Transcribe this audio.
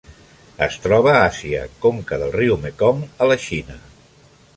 Es troba a Àsia: conca del riu Mekong a la Xina.